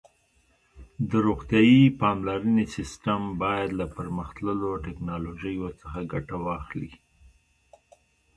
د روغتیايي پاملرنې سیسټم باید له پرمختللو ټکنالوژیو څخه ګټه واخلي.